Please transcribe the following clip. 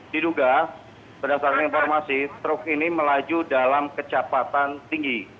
diduga berdasarkan informasi truk ini melaju dalam kecepatan tinggi